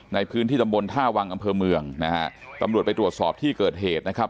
ในพื้นที่ตำบลท่าวังอำเภอเมืองนะฮะตำรวจไปตรวจสอบที่เกิดเหตุนะครับ